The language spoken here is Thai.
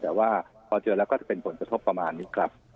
แต่ว่าพอเจอแล้วก็จะเป็นผลกระทบประมาณนี้ครับ